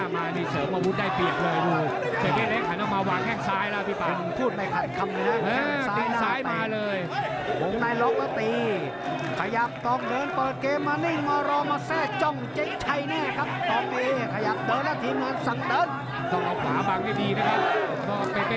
ข้านี้ก็จังโยมี่แก้ด่ะจะยุบหรือเปล่าเปอร์ใจหรือไม่ครับกับเบเป